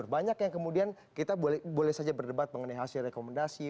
banyak yang kemudian kita boleh saja berdebat mengenai hasil rekomendasi